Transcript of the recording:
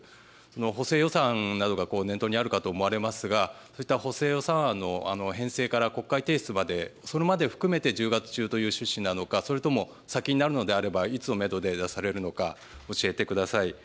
補正予算などが念頭にあるかと思われますが、そういった補正予算案の編成から国会提出までそれまでを含めて１０月中という趣旨なのか、それとも先になるのであれば、いつをメドで出されるのか、教えてください。